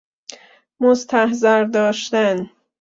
مستحضر داشتن